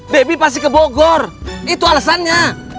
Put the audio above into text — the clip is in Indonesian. baby pasti ke bogor itu alasannya